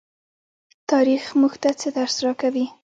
تاریخ موږ ته څه درس راکوي؟